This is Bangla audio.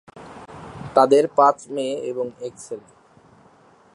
তাদের পাঁচ মেয়ে এবং এক ছেলে।